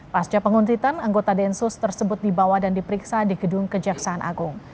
pasca penguntitan anggota densus tersebut dibawa dan diperiksa di gedung kejaksaan agung